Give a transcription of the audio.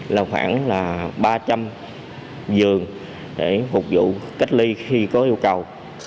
là khoảng ba trăm linh giường để phục vụ cách ly khi có yêu cầu